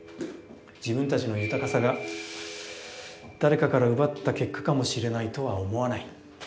自分たちの豊かさが誰かから奪った結果かもしれないとは思わない。